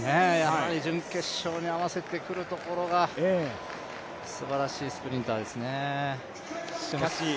準決勝に合わせてくるところがすばらしいスプリンターですね。